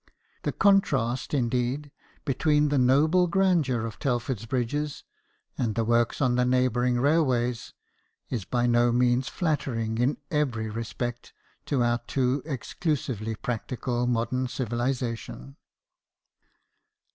The contrast, indeed, between the noble grandeur of Telford's bridges, and the works on the neigh bouring railways, is by no means flattering in every respect to our too exclusively practical modern civilization.